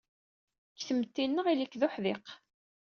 Deg tmetti-nneɣ, ili-k d uḥdiq.